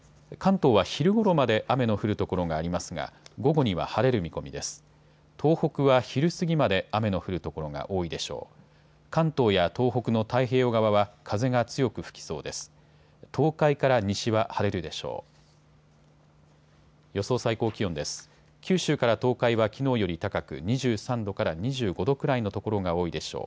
東北は昼過ぎまで雨の降る所が多いでしょう。